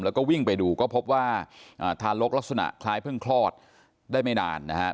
แล้วก็วิ่งไปดูก็พบว่าทารกลักษณะคล้ายเพิ่งคลอดได้ไม่นานนะครับ